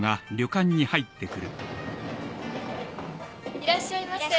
いらっしゃいませ。